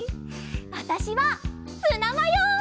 わたしはツナマヨ！